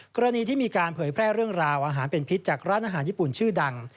กรณีที่มีการเผยแพร่เรื่องราวอาหารเป็นพิษจากร้านอาหารญี่ปุ่นชื่อดัง